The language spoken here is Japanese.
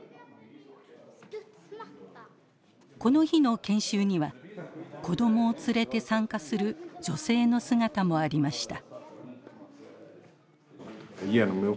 この日の研修には子どもを連れて参加する女性の姿もありました。